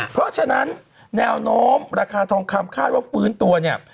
เพราะฉะนั้นแนวโน้มราคาทองคำคาดว่าฟื้นตัวเนี่ย